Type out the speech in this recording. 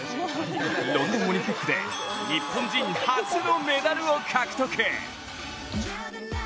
ロンドンオリンピックで日本人初のメダルを獲得。